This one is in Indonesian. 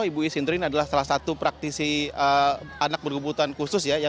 ibu is hendro ini adalah salah satu praktisi anak berkebutuhan khusus ya